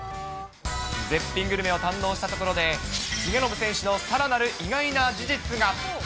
絶品グルメを堪能したところで、重信選手のさらなる意外な事実が。